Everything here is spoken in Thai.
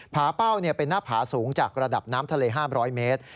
ผาเป้าเป็นหน้าผาสูงจากระดับน้ำทะเล๕๐๐เมตร